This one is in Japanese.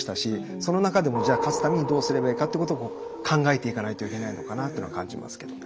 その中でも勝つためにどうすればいいかってことを考えていかないといけないのかなっていうのは感じますけどね。